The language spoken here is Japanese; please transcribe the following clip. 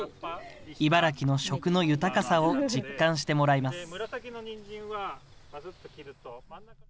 茨城の食の豊かさを実感してもらいます。